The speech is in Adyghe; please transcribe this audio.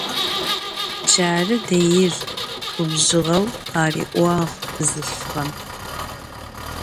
Carı deir ,— gubjjığeu khari'uağ bzılhfığem.